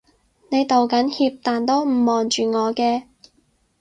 你道緊歉但都唔望住我嘅